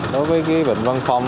đối với vịnh vân phong